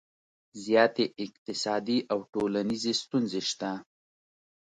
زیاتې اقتصادي او ټولنیزې ستونزې شته